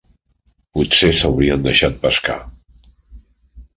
Pot-ser s'haurien deixat pescar